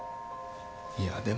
いやでも。